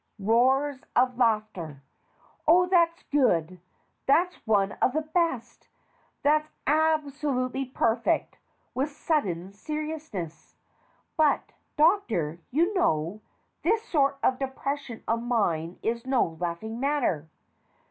(Roars of laughter.) Oh, that's good. That's one of the best. That's absolutely perfect. (With sudden seriousness.) But, Doctor, you know, this sort of depression of mine is no laughing matter.